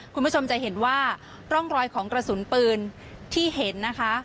คุณผู้ชมจะเห็นว่าร่องรอยของกระสุนปืนที่เห็นนะคะ